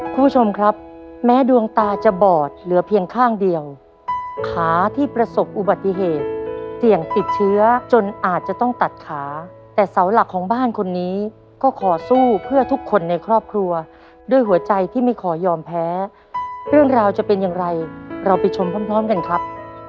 คุณผู้ชมครับแม้ดวงตาจะบอดเหลือเพียงข้างเดียวขาที่ประสบอุบัติเหตุเสี่ยงติดเชื้อจนอาจจะต้องตัดขาแต่เสาหลักของบ้านคนนี้ก็ขอสู้เพื่อทุกคนในครอบครัวด้วยหัวใจที่ไม่ขอยอมแพ้เรื่องราวจะเป็นอย่างไรเราไปชมพร้อมกันครับ